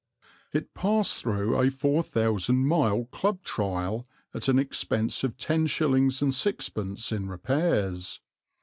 It passed through a four thousand mile club trial at an expense of ten shillings and sixpence in repairs.